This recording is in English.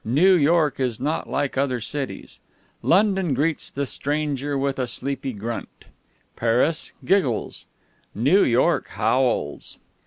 New York is not like other cities. London greets the stranger with a sleepy grunt. Paris giggles. New York howls.